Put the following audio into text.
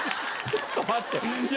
ちょっと待って。